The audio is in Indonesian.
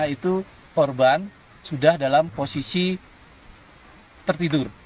itu korban sudah dalam posisi tertidur